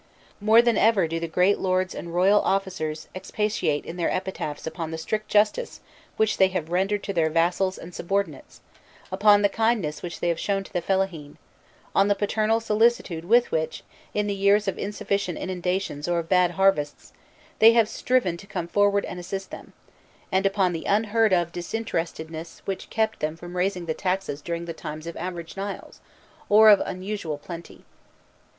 More than ever do the great lords and royal officers expatiate in their epitaphs upon the strict justice which they have rendered to their vassals and subordinates, upon the kindness which they have shown to the fellahîn, on the paternal solicitude with which, in the years of insufficient inundations or of bad harvests, they have striven to come forward and assist them, and upon the unheard of disinterestedness which kept them from raising the taxes during the times of average Niles, or of unusual plenty.